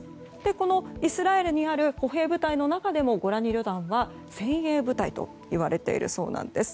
このイスラエルにある歩兵部隊の中でもゴラニ旅団は精鋭部隊といわれているそうなんです。